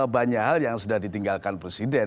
banyak hal yang sudah ditinggalkan presiden